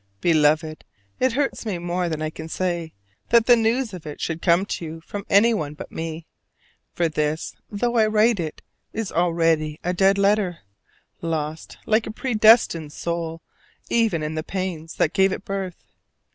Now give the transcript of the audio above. Beloved, it hurts me more than I can say that the news of it should come to you from anyone but me: for this, though I write it, is already a dead letter, lost like a predestined soul even in the pains that gave it birth.